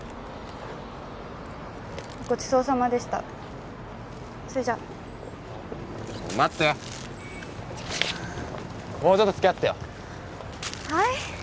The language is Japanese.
ごちそうさまでしたそれじゃ待ってもうちょっとつきあってよはい？